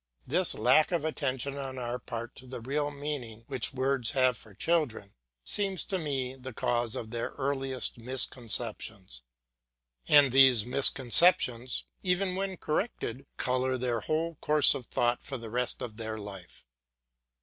This lack of attention on our part to the real meaning which words have for children seems to me the cause of their earliest misconceptions; and these misconceptions, even when corrected, colour their whole course of thought for the rest of their life.